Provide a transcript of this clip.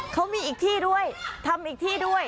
เขามีอีกที่ด้วยทำอีกที่ด้วย